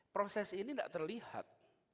proses ini tidak terlihat